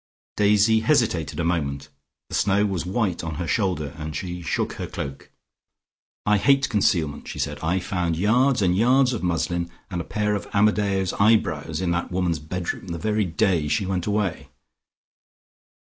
Daisy hesitated a moment, the snow was white on her shoulder and she shook her cloak. "I hate concealment," she said. "I found yards and yards of muslin and a pair of Amadeo's eyebrows in that woman's bedroom the very day she went away."